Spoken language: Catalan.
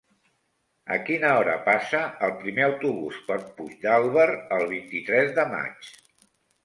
A quina hora passa el primer autobús per Puigdàlber el vint-i-tres de maig?